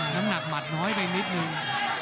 น้ำหนักหมัดน้อยไปนิดนึง